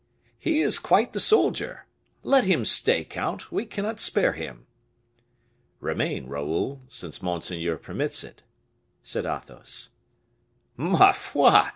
"He is quite the soldier; let him stay, count, we cannot spare him." "Remain, Raoul, since monseigneur permits it," said Athos. "_Ma foi!